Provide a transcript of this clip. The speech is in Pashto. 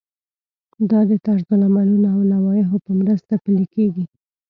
دا د طرزالعملونو او لوایحو په مرسته پلی کیږي.